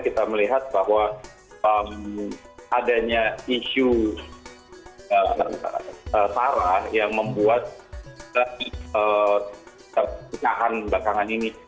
kita melihat bahwa adanya isu sarah yang membuat terpecahan belakangan ini